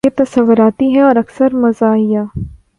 یہ تصوراتی ہے اور اکثر مزاحیہ